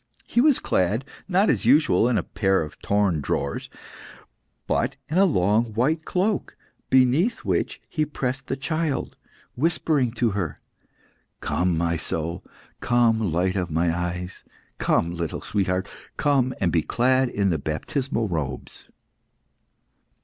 He was clad, not as usual in a pair of torn drawers, but in a long white cloak, beneath which he pressed the child, whispering to her "Come, my soul! Come, light of my eyes! Come, little sweetheart! Come and be clad in the baptismal robes!"